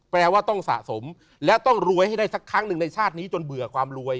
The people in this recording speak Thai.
แปลว่าต้องสะสมและต้องรวยให้ได้สักครั้งหนึ่งในชาตินี้จนเบื่อความรวย